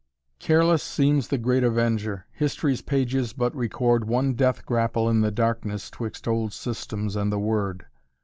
"Careless seems the Great Avenger, History's pages but record One death grapple in the darkness Twixt old systems and the word.